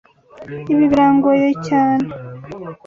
Ibi birangoye cyane.